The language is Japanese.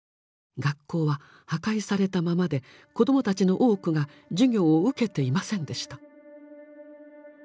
学校は破壊されたままで子どもたちの多くが授業を受けていませんでした。